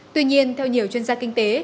tuy nhiên theo nhiều chuyên gia kinh tế